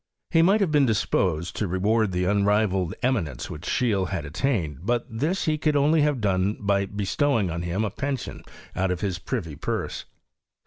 ^ He might have been disposed to re ward the unrivalled eminence which Scheele had attained ; but this he could only have done by be stowing on him a pension out of his privy purse.